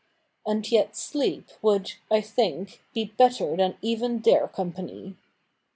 And yet sleep would, I think, be better than even their company.'